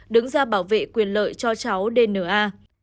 đứng ra bảo vệ quyền lợi cho cháu dna